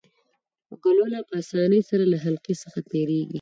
ګلوله په اسانۍ سره له حلقې څخه تیریږي.